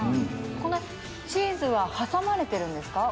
チーズは挟まれてるんですか？